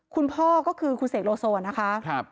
คุณพ่อก็คือคุณเสกโลโซนะคะ